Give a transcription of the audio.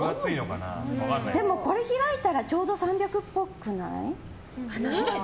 これ開いたらちょうど３００っぽくない？